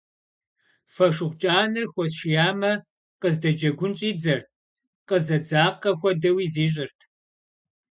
Фошыгъу кӀанэр хуэсшиямэ, къыздэджэгун щӀидзэрт, къызэдзакъэ хуэдэуи зищӀырт.